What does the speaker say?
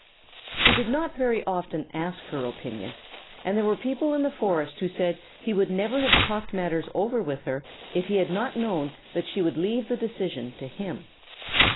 He did not very often ask her opinion, and there were people in the forest who said he would never have talked matters over with her if he had not known that she would leave the decision to him.